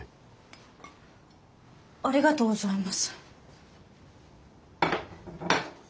ありがとうございます。